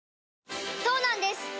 そうなんです